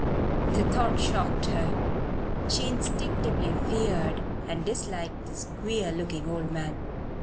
The thought shocked her. She instinctively feared and disliked this queer looking old man.